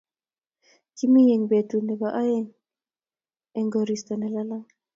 kimi eng' betut nebo aeng eng koristo ne lalang